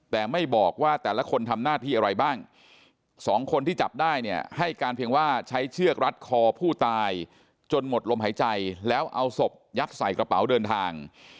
แต่ไม่บอกว่าแต่ละคนทำหน้าที่อะไรบ้างสองคนที่จับได้เนี่ยให้การเพียงว่าใช้เชือกรัดคอผู้ตายจนหมดลมหายใจแล้วเอาศพยัดใส่กระเป๋าเดินทาง